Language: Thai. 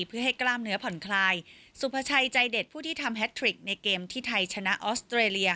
เพื่อให้กล้ามเนื้อผ่อนคลายสุภาชัยใจเด็ดผู้ที่ทำแฮทริกในเกมที่ไทยชนะออสเตรเลีย